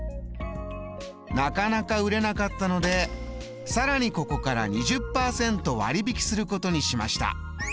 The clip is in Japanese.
なかなか売れなかったのでさらにここから２０％割引することにしました。